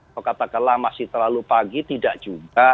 pokatakanlah masih terlalu pagi tidak juga